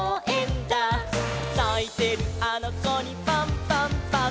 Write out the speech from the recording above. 「ないてるあのこにパンパンパン！！」